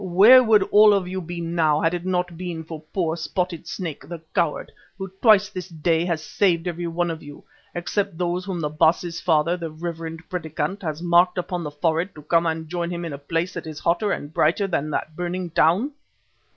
Where would all of you be now had it not been for poor Spotted Snake the 'coward,' who twice this day has saved every one of you, except those whom the Baas's father, the reverend Predikant, has marked upon the forehead to come and join him in a place that is even hotter and brighter than that burning town?"